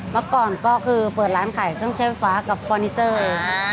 เมื่อก่อนก็คือเปิดร้านขายเครื่องใช้ไฟฟ้ากับฟอร์นิเจอร์